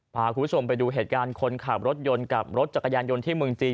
พาคุณผู้ชมไปดูเหตุการณ์คนขับรถยนต์กับรถจักรยานยนต์ที่เมืองจีน